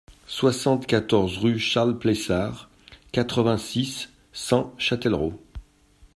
soixante-quatorze rue Charles Plessard, quatre-vingt-six, cent, Châtellerault